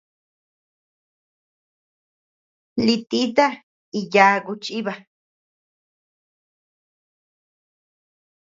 Lï tita y yaku chiba.